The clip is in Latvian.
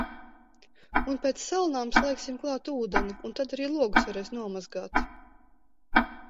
Un pēc salnām slēgsim klāt ūdeni un tad arī logus varēs nomazgāt.